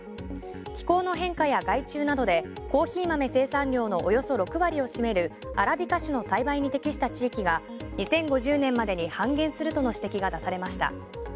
気候の変化や害虫などでコーヒー豆生産量のおよそ６割を占めるアラビカ種の栽培に適した地域が２０５０年までに半減するとの指摘が出されました。